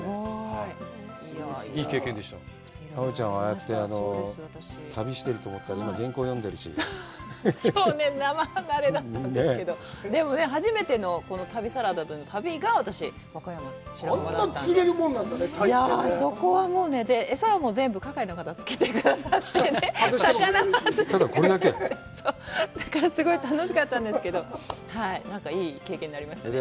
はいいい経験でした奈緒ちゃんは旅してると思ったら原稿読んでるし今日ね生ナレだったんですけどでもね私和歌山のあんな釣れるもんなんだねあそこはもうね餌は全部係の方が付けてくださってただこれだけそうだからすごい楽しかったんですけどなんかいい経験になりましたね